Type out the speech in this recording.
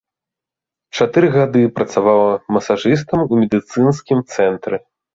Чатыры гады працавала масажыстам у медыцынскім цэнтры.